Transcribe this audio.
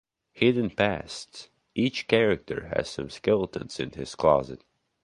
Hidden Pasts: Each character has some skeletons in his closet.